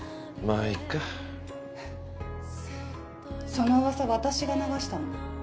・その噂私が流したの。